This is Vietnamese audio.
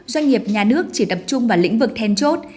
doanh nghiệp nhà nước chỉ tập trung vào lĩnh vực then chốt